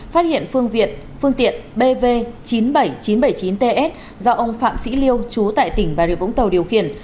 phát hiện phương tiện bv chín mươi bảy nghìn chín trăm bảy mươi chín ts do ông phạm sĩ liêu chú tại tỉnh bà rịa vũng tàu điều khiển